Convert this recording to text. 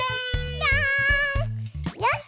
よし！